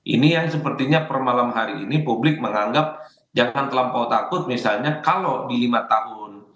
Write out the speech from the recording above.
ini yang sepertinya per malam hari ini publik menganggap jangan terlampau takut misalnya kalau di lima tahun